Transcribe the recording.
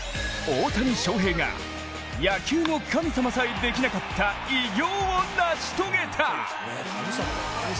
大谷翔平が、野球の神様さえできなかった偉業を成し遂げた。